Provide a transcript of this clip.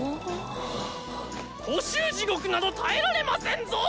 補習地獄など耐えられませんぞ！